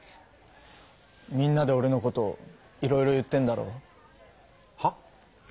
みんなでオレのこといろいろ言ってんだろう。はっ？